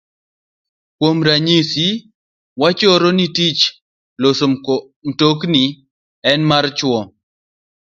Kuom ranyisi, wachoro ni tich loso mtokni en mar chwo.